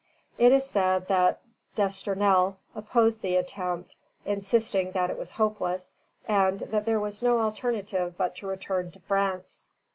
It is said that D'Estournel opposed the attempt, insisting that it was hopeless, and that there was no alternative but to return to France.